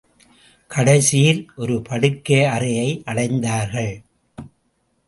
கடைசியில் ஒரு படுக்கையறையை அடைந்தார்கள்.